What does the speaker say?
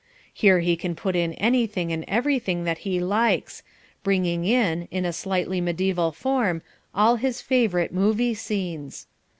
Here he can put in anything and everything that he likes, bringing in, in a slightly mediaeval form, all his favourite movie scenes.